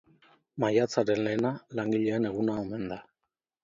Maiatzaren lehena langileen eguna omen da.